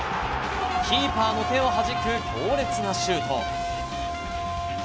キーパーの手をはじく強烈なシュート！